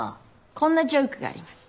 こんなジョークがあります。